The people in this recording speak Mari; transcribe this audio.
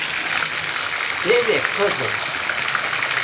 Теве кызыт!